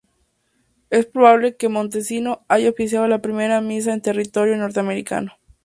Es probable que Montesino haya oficiado la primera misa en territorio norteamericano.